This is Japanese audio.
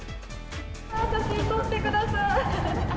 写真撮ってください。